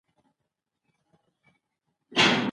موږ کړولای سوای .